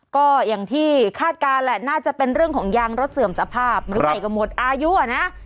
ก็อย่างที่คาดการณ์แหละน่าจะเป็นเรื่องของยางรถเสื่อมสภาพหรือไม่ก็หมดอายุอ่ะนะ